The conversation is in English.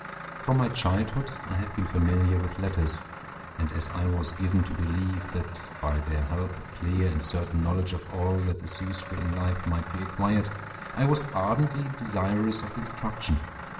From my childhood, I have been familiar with letters; and as I was given to believe that by their help a clear and certain knowledge of all that is useful in life might be acquired, I was ardently desirous of instruction.